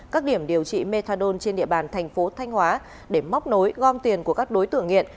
các điểm điều trị methadone trên địa bàn tp thanh hóa để móc nối gom tiền của các đối tượng nghiện